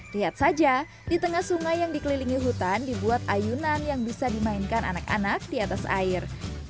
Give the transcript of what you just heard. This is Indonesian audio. lihat saja di tengah sungai yang dikelilingi hutan dibuat ayunan yang bisa dimainkan anak anak di atas air